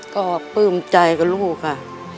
ก็ปลื้มใจกับลูกค่ะ